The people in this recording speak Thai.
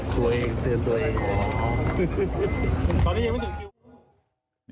ซื้อตัวเอง